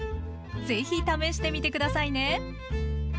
是非試してみて下さいね。